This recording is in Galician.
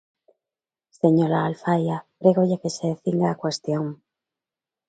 Señora Alfaia, prégolle que se cinga á cuestión.